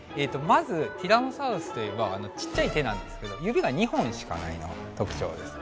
まずティラノサウルスといえばあのちっちゃい手なんですけど指が２本しかないのがとくちょうです。